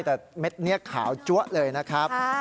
แต่เม็ดนี้ขาวจั๊วเลยนะครับ